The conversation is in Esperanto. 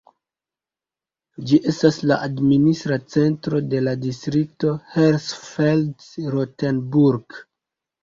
Ĝi estas la administra centro de la distrikto Hersfeld-Rotenburg.